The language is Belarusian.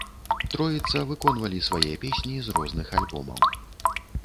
Троіца выконвалі свае песні з розных альбомаў.